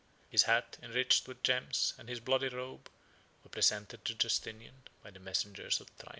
His hat, enriched with gems, and his bloody robe, were presented to Justinian by the messengers of triumph.